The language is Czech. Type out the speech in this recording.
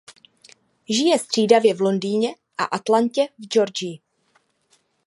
Žije střídavě v Londýně a Atlantě v Georgii.